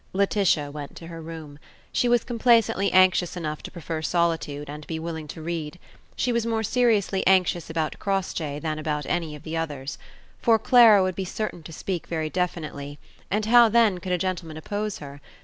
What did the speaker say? Laetitia went to her room. She was complacently anxious enough to prefer solitude and be willing to read. She was more seriously anxious about Crossjay than about any of the others. For Clara would be certain to speak very definitely, and how then could a gentleman oppose her?